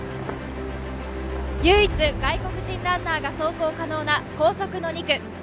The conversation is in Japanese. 唯一、外国人ランナーが走行可能な高速の２区。